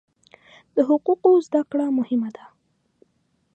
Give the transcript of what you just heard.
د حقوقو زده کړه مهمه ده.